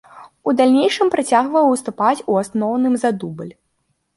У далейшым працягваў выступаць у асноўным за дубль.